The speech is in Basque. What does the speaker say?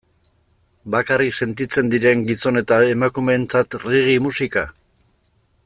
Bakarrik sentitzen diren gizon eta emakumeentzat reggae musika?